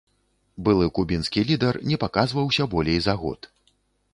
Былы кубінскі лідар не паказваўся болей за год.